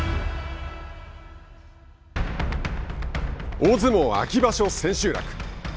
大相撲秋場所、千秋楽。